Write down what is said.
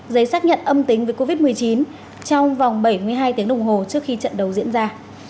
giấy xác nhận âm tính với covid một mươi chín trong vòng bảy mươi hai tiếng đồng hồ trước khi trận đấu diễn ra